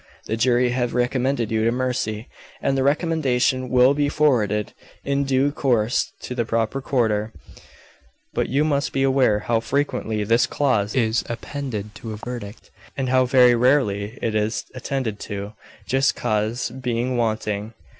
The jury have recommended you to mercy, and the recommendation will be forwarded in due course to the proper quarter, but you must be aware how frequently this clause is appended to a verdict, and how very rarely it is attended to, just cause being wanting.